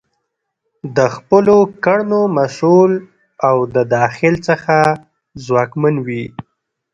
د خپلو کړنو مسؤل او د داخل څخه ځواکمن وي.